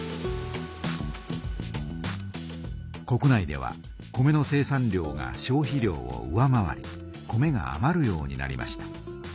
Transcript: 国内では米の生産量が消費量を上回り米があまるようになりました。